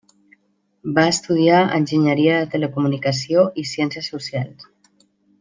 Va estudiar Enginyeria de Telecomunicació i Ciències Socials.